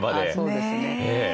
そうですね。